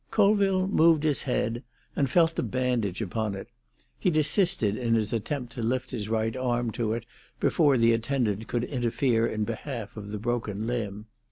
Colville moved his head and felt the bandage upon it; he desisted in his attempt to lift his right arm to it before the attendant could interfere in behalf of the broken limb.